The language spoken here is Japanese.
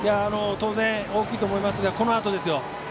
当然、大きいと思いますがこのあとですよ。